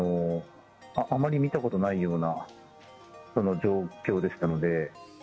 あまり見たことないような状況でしたので。